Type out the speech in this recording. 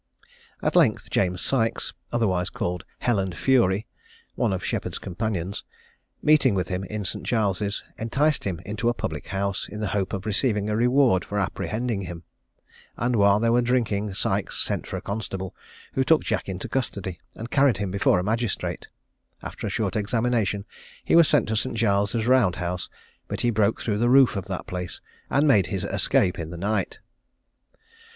At length James Sykes, otherwise called Hell and Fury, one of Sheppard's companions, meeting with him in St. Giles's, enticed him into a public house, in the hope of receiving a reward for apprehending him; and while they were drinking Sykes sent for a constable, who took Jack into custody, and carried him before a magistrate. After a short examination, he was sent to St. Giles's round house; but he broke through the roof of that place and made his escape in the night.